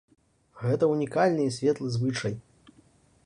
Гэта ўнікальны і светлы звычай.